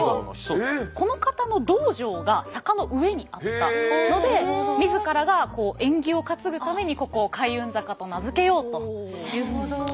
この方の道場が坂の上にあったので自らが縁起を担ぐためにここを開運坂と名付けようというふうに決めた。